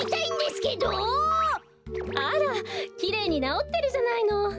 あらきれいになおってるじゃないの。